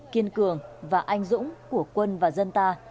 kiên cường và anh dũng của quân và dân ta